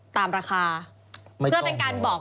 ตามราคาเพื่อเป็นการบอก